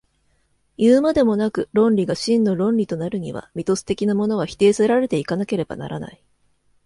いうまでもなく、論理が真の論理となるには、ミトス的なものは否定せられて行かなければならない。